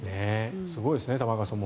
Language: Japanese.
すごいですね玉川さん。